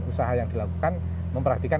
usaha yang dilakukan memperhatikan